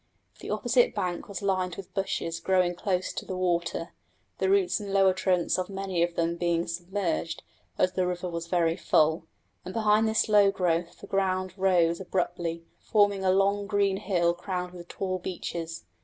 The opposite bank was lined with bushes growing close to the water, the roots and lower trunks of many of them being submerged, as the river was very full; and behind this low growth the ground rose abruptly, forming a long green hill crowned with tall beeches.